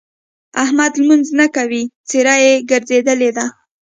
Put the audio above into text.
احمد لمونځ نه کوي؛ څېره يې ګرځېدلې ده.